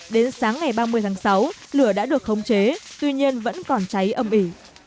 đến sáng ngày ba mươi tháng sáu lửa đã được khống chế tuy nhiên vẫn còn cháy âm ỉ